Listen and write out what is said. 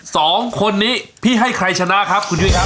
สองคนนี้พี่ให้ใครชนะครับ